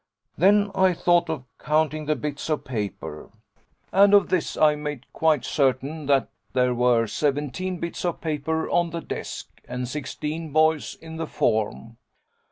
Then I thought of counting the bits of paper. And of this I made quite certain: that there were seventeen bits of paper on the desk, and sixteen boys in the form.